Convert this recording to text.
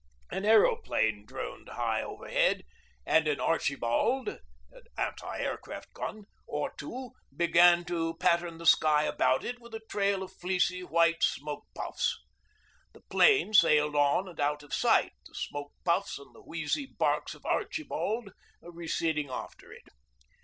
An aeroplane droned high overhead, and an 'Archibald' (anti aircraft gun) or two began to pattern the sky about it with a trail of fleecy white smoke puffs. The 'plane sailed on and out of sight, the smoke puffs and the wheezy barks of 'Archibald' receding after it.